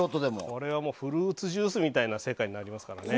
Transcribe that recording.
これはもうフルーツジュースみたいな世界になりますからね。